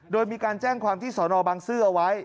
โดยมีการแจ้งความที่สอนอบังซื้อเอาไว้